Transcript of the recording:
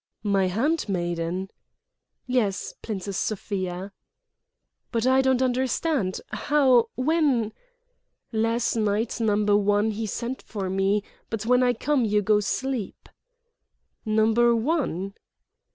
"My handmaiden!" "Les, Plincess Sofia." "But I don't understand. How—when—?" "Las' night Numbe' One he send for me, but when I come you go sleep." "Number One?"